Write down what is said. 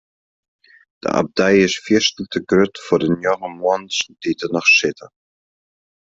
De abdij is fierstente grut foar de njoggen muontsen dy't der noch sitte.